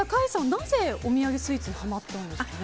なぜお土産スイーツにハマったんですか？